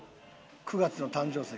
９月の誕生石。